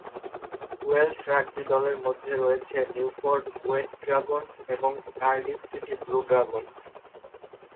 Welsh rugby দলের মধ্যে রয়েছে নিউপোর্ট গুয়েন্ট ড্রাগনস এবং কার্ডিফ সিটি ব্লু ড্রাগনস।